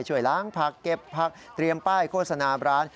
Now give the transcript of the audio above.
ช่วยล้างผักเก็บผักเตรียมป้ายโฆษณาร้าน